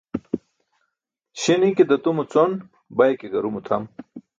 Śi̇ni̇ ke datumo con, bay ke garumo tʰam.